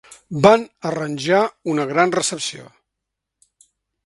Van arranjar una gran recepció.